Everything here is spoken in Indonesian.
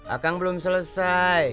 akang belum selesai